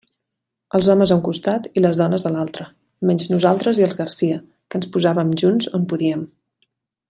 Els homes a un costat i les dones a l'altre, menys nosaltres i els Garcia, que ens posàvem junts on podíem.